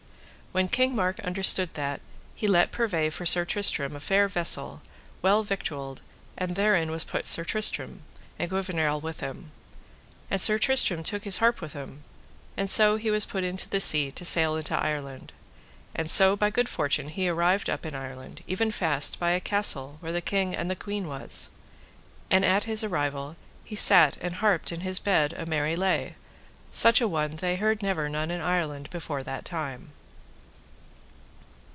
When King Mark understood that, he let purvey for Sir Tristram a fair vessel, well victualled, and therein was put Sir Tristram, and Gouvernail with him, and Sir Tristram took his harp with him, and so he was put into the sea to sail into Ireland; and so by good fortune he arrived up in Ireland, even fast by a castle where the king and the queen was; and at his arrival he sat and harped in his bed a merry lay, such one heard they never none in Ireland before that time.